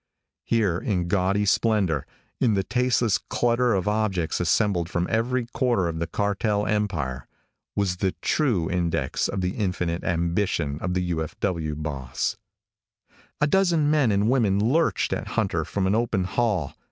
Here in gaudy splendor, in the tasteless clutter of objects assembled from every quarter of the cartel empire, was the true index to the infinite ambition of the U.F.W. boss. A dozen men and women lurched at Hunter from an open hall.